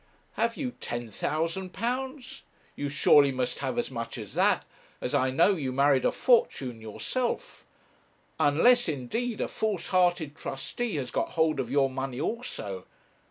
'Have you £10,000? You surely must have as much as that, as I know you married a fortune yourself, unless, indeed, a false hearted trustee has got hold of your money also.